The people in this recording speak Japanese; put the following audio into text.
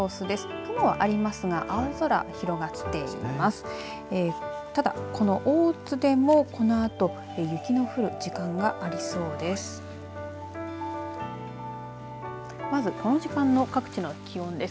雲はありますが青空広がっています。